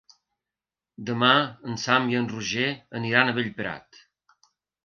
Demà en Sam i en Roger aniran a Bellprat.